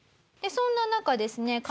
そんな中ですね